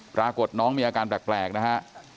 ปรากฏน้องมีอาการแปลกนะฮะ